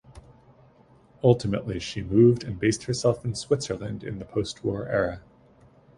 Ultimately she moved and based herself in Switzerland in the postwar era.